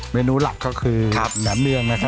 เมนูหลักก็คือแนมเนืองนะครับ